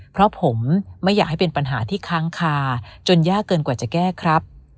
เพราะผมไม่อยากให้เป็นปัญหาที่ค้างคาจนยากเกินกว่าจะแก้ครับ